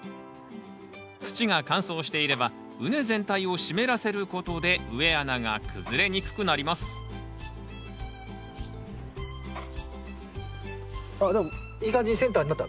土が乾燥していれば畝全体を湿らせることで植え穴が崩れにくくなりますあっでもいい感じにセンターになった。